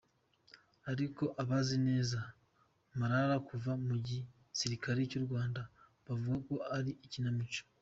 Ariko abazi neza Marara kuva mu gisilikare cy’u Rwanda bavuga ko ari Ikinamico.